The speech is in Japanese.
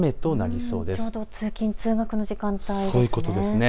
ちょうど通勤通学の時間帯ですね。